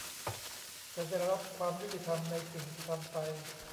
จะได้รับความยุติธรรมในสิ่งที่ทำไป